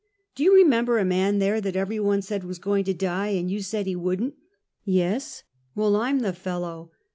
" Do you remember a man there, that every one said was going to die, and you said he would n't?" « Yes." " Well, I 'm the fellow."